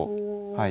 はい。